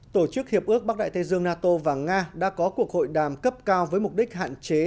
tổ chức hiệp ước bắc đại tây dương nato và nga đã có cuộc hội đàm cấp cao với mục đích hạn chế